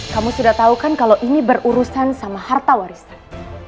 kamu sudah tahu kan kalau ini berurusan sama harta warisan